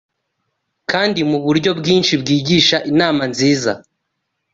kandi muburyo bwinshi byigisha inama nziza